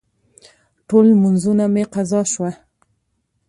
ټول لمونځونه مې قضا شوه.